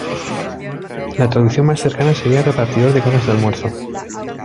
La traducción más cercana sería "repartidor de cajas de almuerzo".